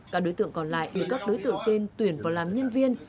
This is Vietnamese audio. các đối tượng còn lại được các đối tượng trên tuyển vào làm nhân viên